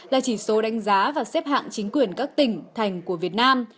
là chỉ số đánh giá và xếp hạng chính quyền các tỉnh thành của việt nam